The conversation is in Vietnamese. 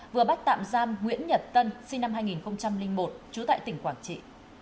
vừa bắt tạm giam nguyễn nhật tân sinh năm hai nghìn một trú tại tỉnh quảng trị